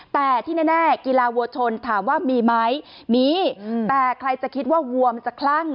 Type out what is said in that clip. แต่ที่แน่กีฬาวัวชนถามว่ามีไหมมีแต่ใครจะคิดว่าวัวมันจะคลั่ง